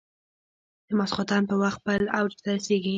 د ماخوستن په وخت خپل اوج ته رسېږي.